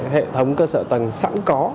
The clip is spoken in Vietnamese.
hệ thống cơ sở tầng sẵn có